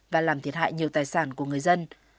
và làm thiệt hại nhiều tài sản của người dân